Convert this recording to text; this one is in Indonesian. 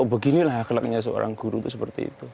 beginilah akhlaknya seorang guru itu seperti itu